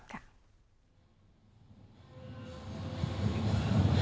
ค่ะ